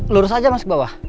lurus aja mas ke bawah